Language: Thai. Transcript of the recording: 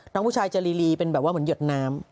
หู้ชายจะลีเป็นแบบเหมือนเหยียดน้ำ